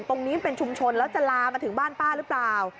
ตรงนี้เป็นชุมชนแล้วจะลามาถึงบ้านป้าหรือเปล่า